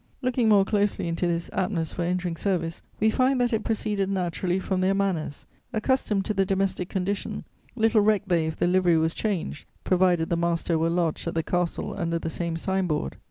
Looking more closely into this aptness for entering service, we find that it proceeded naturally from their manners: accustomed to the domestic condition, little recked they if the livery was changed, provided the master were lodged at the castle under the same sign board.